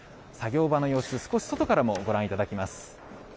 作業場の様子、少し外からもご覧いただきます。